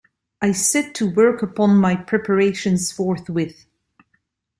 I set to work upon my preparations forthwith.